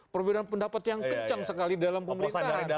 perbedaan pendapat yang kencang sekali dalam pemerintahan